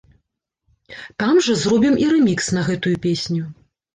Там жа зробім і рэмікс на гэтую песню.